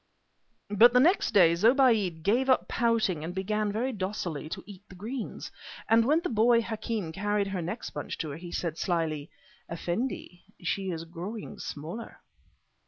But the next day Zobéide gave up pouting and began very docilely to eat the greens, and when the boy Hakem carried her next bunch to her he said slyly: "Effendi, she is growing smaller!"